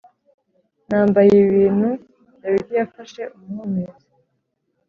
nambaye ibi bintu Dawidi yafashe umuhumetso